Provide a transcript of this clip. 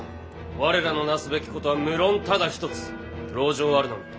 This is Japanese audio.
我らのなすべきことは無論ただ一つ籠城あるのみ。